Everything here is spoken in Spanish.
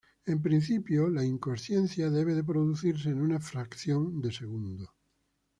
En principio, la inconsciencia debe producirse en una fracción de segundo.